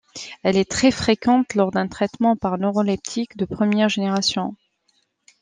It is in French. Elle est très fréquente lors d'un traitement par neuroleptique de première génération.